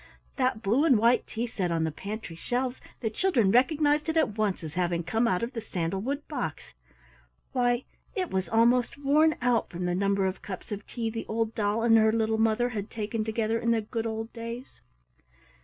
That blue and white tea set on the pantry shelves the children recognized it at once as having come out of the sandal wood box why it was almost worn out from the number of cups of tea the old doll and her little mother had taken together in the good old days!